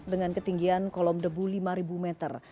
dengan ketinggian kolom debu lima meter